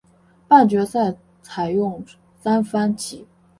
半决赛采用三番棋。